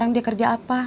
dia kerja apa